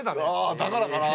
あだからかなあ？